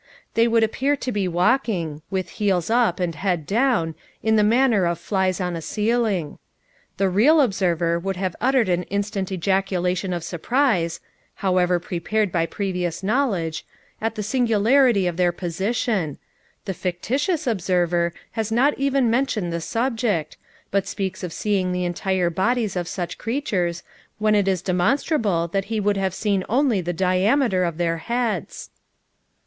They would appear to be walking, with heels up and head down, in the manner of flies on a ceiling. The real observer would have uttered an instant ejaculation of surprise (however prepared by previous knowledge) at the singularity of their position; the fictitious observer has not even mentioned the subject, but speaks of seeing the entire bodies of such creatures, when it is demonstrable that he could have seen only the diameter of their heads!